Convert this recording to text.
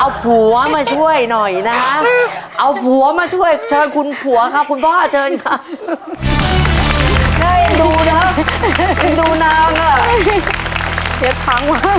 เอาผัวมาช่วยหน่อยนะฮะเอาผัวมาช่วยเชิญคุณผัวครับคุณพ่อเชิญค่ะ